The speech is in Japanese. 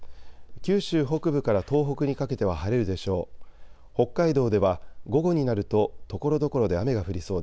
九州北部から東北にかけては晴れるでしょう。